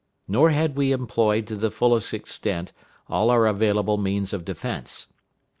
Nor had we employed to the fullest extent all our available means of defense.